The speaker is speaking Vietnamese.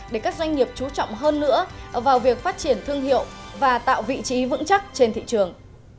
để các doanh nghiệp chú trọng hơn nữa vào việc phát triển thương hiệu và tạo vị trí vững chắc trên thị trường